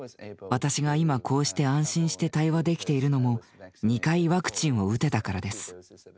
私が今こうして安心して対話できているのも２回ワクチンを打てたからです。